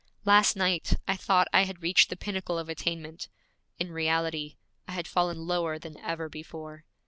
Last night I thought I had reached the pinnacle of attainment; in reality I had fallen lower than ever before.